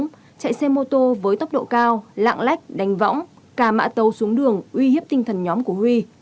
sang đã chạy xe mô tô với tốc độ cao lạng lách đánh võng cà mạ tàu xuống đường uy hiếp tinh thần nhóm của huy